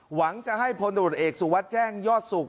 หวังจะให้พนธรรมดาตัวเอกสู่วัดแจ้งยอดสุข